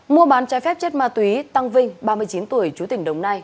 mua bán trái phép chất ma túy tăng vinh ba mươi chín tuổi chú tỉnh đồng nai